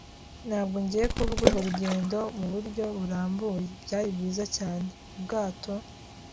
Ntabwo ngiye kuvuga urwo rugendo muburyo burambuye. Byari byiza cyane. Ubwato